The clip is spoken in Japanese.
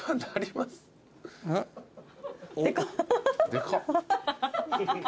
でかっ。